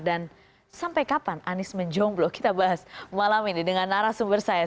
dan sampai kapan anies menjomblo kita bahas malam ini dengan narasumber saya